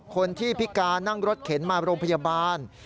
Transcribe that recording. พิการนั่งรถเข็นมาโรงพยาบาล